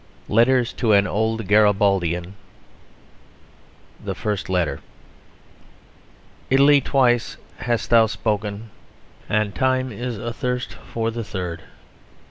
LETTERS TO AN OLD GARIBALDIAN Italy, twice hast thou spoken; and time is athirst for the third.